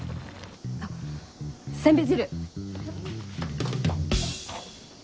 あっせんべい汁！